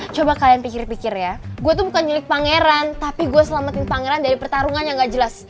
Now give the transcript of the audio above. coba kalian pikir pikir ya gue tuh bukan milik pangeran tapi gue selamatin pangeran dari pertarungan yang gak jelas